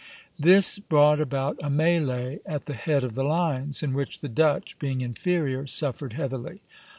This brought about a mêlée at the head of the lines, in which the Dutch, being inferior, suffered heavily.